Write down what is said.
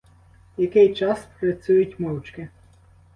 Який час працюють мовчки.